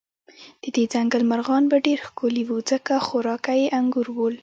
د دې ځنګل مرغان به ډېر ښکلي و، ځکه خوراکه یې انګور ول.